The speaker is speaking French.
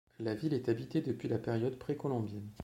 La ville est habitée depuis la période précolombienne.